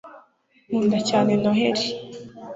Nkunda cyane Noheri